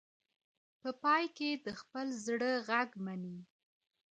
په پای کې د خپل زړه غږ مني.